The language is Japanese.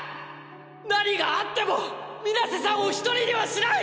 何があっても水瀬さんを一人にはしない！